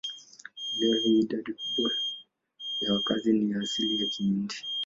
Leo hii idadi kubwa ya wakazi ni wa asili ya Kihindi.